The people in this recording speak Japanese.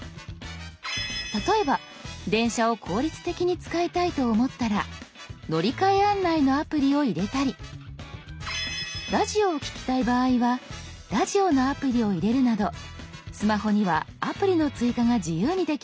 例えば電車を効率的に使いたいと思ったら乗り換え案内のアプリを入れたりラジオを聞きたい場合はラジオのアプリを入れるなどスマホにはアプリの追加が自由にできるんです。